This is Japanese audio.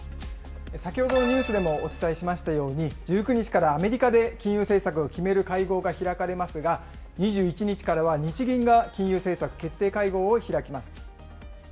先ほどのニュースでもお伝えしましたように、１９日からアメリカで金融政策を決める会合が開かれますが、２１日からは日銀が金融政策決定会合を開きます。